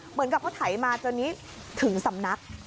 เหมือนกับเขาไถมาจนนี้ถึงสำนัก